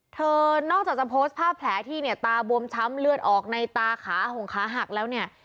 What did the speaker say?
นอกจากจะโพสต์ภาพแผลที่เนี่ยตาบวมช้ำเลือดออกในตาขาหงขาหักแล้วเนี่ย